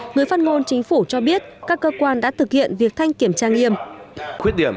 người phát ngôn chính phủ cho biết các cơ quan đã thực hiện việc thanh kiểm tra nghiêm